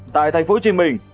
tại thành phố trìm bình